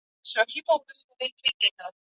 د محصلې پر مخ دروازې تړل شوې دي.